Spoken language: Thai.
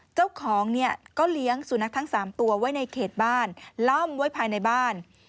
เจ้าของเนี่ยก็เลี้ยงสุนัขทั้ง๓ตัวไว้ในเขตบ้านล่ำไว้ภายในบ้าน